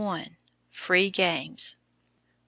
Free games. 1 2.